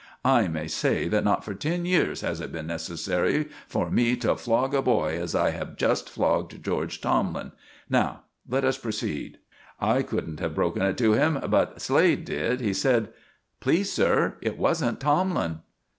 I may say that not for ten years has it been necessary for me to flog a boy as I have just flogged George Tomlin. Now let us proceed." I couldn't have broken it to him, but Slade did. He said: "Please, sir, it wasn't Tomlin."